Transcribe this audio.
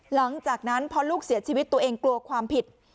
หลังจากนั้นพอลูกเสียชีวิตตัวเองกลัวความผิด